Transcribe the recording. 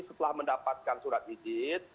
setelah mendapatkan surat izin